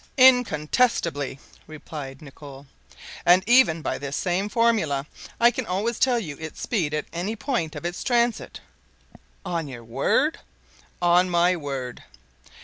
"Incontestably," replied Nicholl; "and even by this same formula I can always tell you its speed at any point of its transit." "On your word?" "On my word."